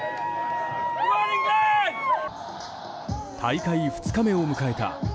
大会２日目を迎えたＦＩＦＡ